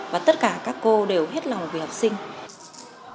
và tất cả các cô đều hết lòng vì học sinh